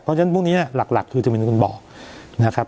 เพราะฉะนั้นพวกนี้หลักคือจะเป็นคนบอกนะครับ